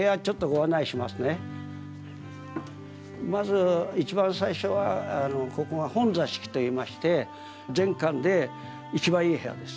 まず一番最初はここが本座敷といいまして全館で一番いい部屋です。